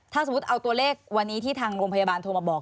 ถ้าสมมุติเอาตัวเลขวันนี้ที่ทางโรงพยาบาลโทรมาบอก